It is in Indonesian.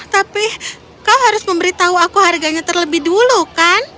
tapi kau harus memberitahu aku harganya terlebih dulu kan